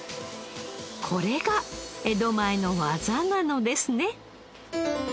これが江戸前の技なのですね。